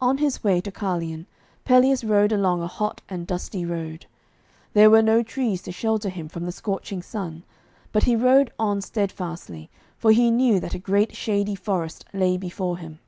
On his way to Carleon, Pelleas rode along a hot and dusty road. There were no trees to shelter him from the scorching sun, but he rode on steadfastly, for he knew that a great shady forest lay before him.